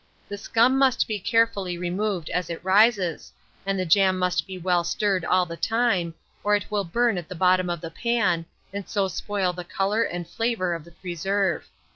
The scum must be carefully removed as it rises, and the jam must be well stirred all the time, or it will burn at the bottom of the pan, and so spoil the colour and flavour of the preserve.